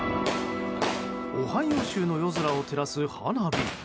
オハイオ州の夜空を照らす花火。